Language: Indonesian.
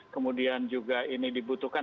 kemudian juga ini dibutuhkan